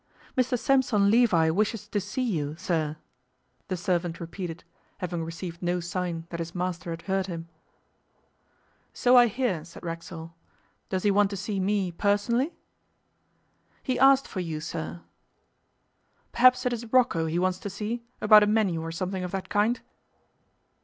'Mr Sampson Levi wishes to see you, sir,' the servant repeated, having received no sign that his master had heard him. 'So I hear,' said Racksole. 'Does he want to see me, personally?' 'He asked for you, sir.' 'Perhaps it is Rocco he wants to see, about a menu or something of that kind?